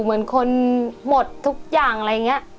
เหมือนคนหมดทุกอย่างอะไรอย่างนี้